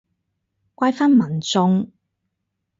怪返民眾